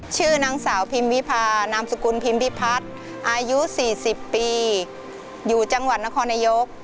ชื่อนางสาวพิมวิพานามสกุลพิมพิพัฒน์อายุ๔๐ปีอยู่จังหวัดนครนายก